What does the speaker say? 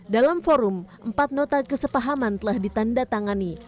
dalam forum empat nota kesepahaman telah ditanda tangani